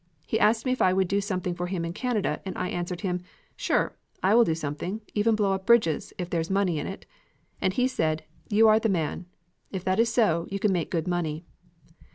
He asked me if I would do something for him in Canada and I answered him, 'Sure, I will do something, even blow up bridges, if there is money in it.' And he said, 'You are the man; if that is so, you can make good money.'